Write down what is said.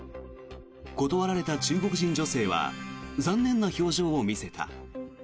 断られた中国人女性は残念な表情を見せた。